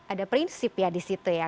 ada prinsip ya di situ ya